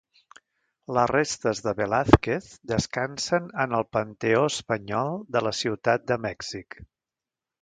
Les restes de Velázquez descansen en el Panteó Espanyol de la Ciutat de Mèxic.